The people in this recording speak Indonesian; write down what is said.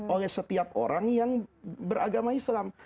oleh setiap orang yang beragama islam